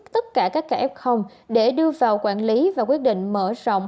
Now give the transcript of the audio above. tất cả các k để đưa vào quản lý và quyết định mở rộng